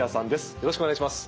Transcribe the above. よろしくお願いします。